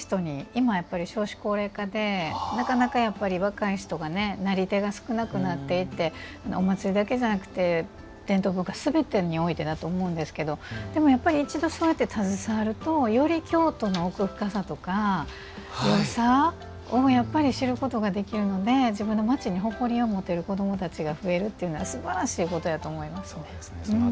今、少子高齢化でなかなか若い人がなり手が少なくなっていてお祭りだけじゃなくて伝統文化すべてにおいてだと思うんですけどでもやっぱり一度そうやって携わるとより京都の奥深さとか、よさを知ることができるので自分の町に誇りを持てる子どもたちが増えるっていうのがすばらしいことだと思います。